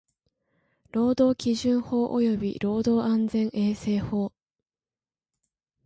労働基準法及び労働安全衛生法